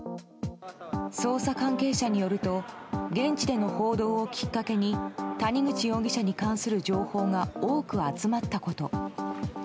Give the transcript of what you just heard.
捜査関係者によると現地での報道をきっかけに谷口容疑者に関する情報が多く集まったこと。